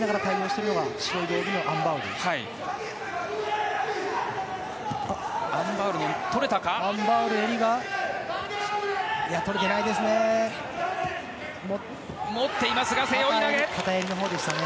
いや、とれてないですね。